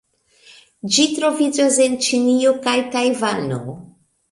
Ĝi troviĝas en Ĉinio kaj Tajvano.